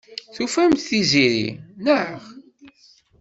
Tufamt-d Tiziri, naɣ?